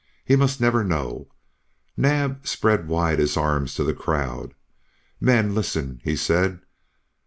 He must never know." Naab spread wide his arms to the crowd. "Men, listen," he said.